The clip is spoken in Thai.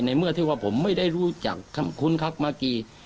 ในเมื่อที่ว่าผมไม่ได้รู้จักคุณครับเมื่อกี้